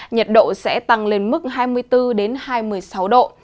nhiệt độ sẽ tăng lên mức hai mươi bốn hai mươi sáu độ